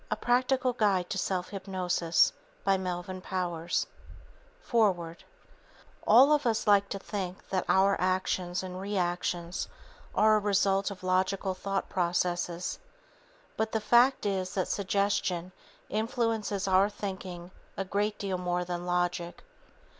PRACTICAL APPLICATIONS OF SELF HYPNOSIS 119 FOREWORD All of us like to think that our actions and reactions are a result of logical thought processes, but the fact is that suggestion influences our thinking a great deal more than logic.